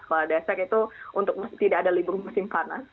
sekolah dasar itu untuk tidak ada libur mesin panas